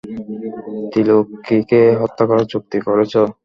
ত্রিলোকিকে হত্যা করার চুক্তি করেছ?